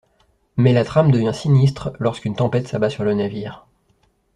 Mais la trame devient sinistre lorsqu'une tempête s'abat sur le navire.